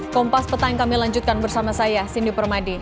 kompas petang yang kami lanjutkan bersama saya cindy permadi